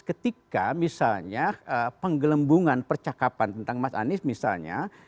ketika misalnya penggelembungan percakapan tentang mas anies misalnya